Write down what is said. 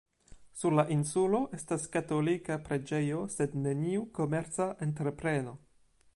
Sur la insulo estas katolika preĝejo sed neniu komerca entrepreno.